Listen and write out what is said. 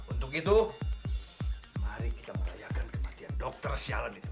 untuk itu mari kita merayakan kematian dokter sial itu